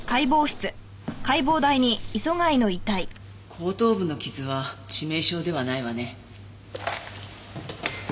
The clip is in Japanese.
後頭部の傷は致命傷ではないわね。